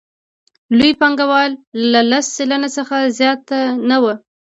لوی پانګوال له لس سلنه څخه زیات نه وو